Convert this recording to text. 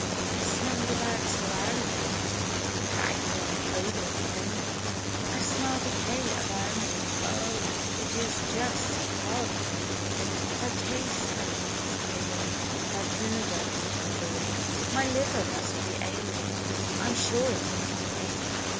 I smell the bad surrounding Of backyard odors pending. I smell decay abounding 0, it is just heart rending. My taste, I think is failing, My food I'm not enjoying, My liver must be ailing, I'm sure it is annoying.